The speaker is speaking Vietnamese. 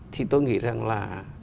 thì tôi nghĩ rằng là